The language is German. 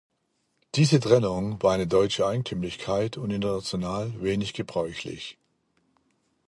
Diese Trennung war eine deutsche Eigentümlichkeit und international wenig gebräuchlich.